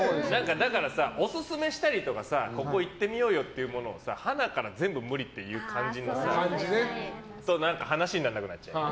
だから、オススメしたりここ行ってみようよっていうものを鼻から全部無理という感じだとさ話にならなくなっちゃうよね。